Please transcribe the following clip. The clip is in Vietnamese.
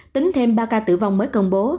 tính thêm ba ca tử vong mới công bố